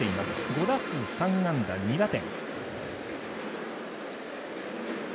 ５打数３安打２打点。